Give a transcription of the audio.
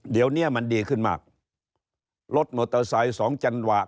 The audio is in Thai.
เดี๋ยวเนี้ยมันดีขึ้นมากรถมอเตอร์ไซค์สองจังหวะ